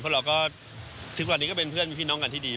เพราะเราก็ทุกวันนี้ก็เป็นเพื่อนมีพี่น้องกันที่ดี